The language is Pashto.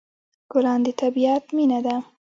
ګلان د طبیعت مینه ده.